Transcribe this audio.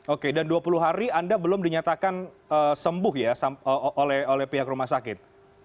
oke dan dua puluh hari anda belum dinyatakan sembuh ya oleh pihak rumah sakit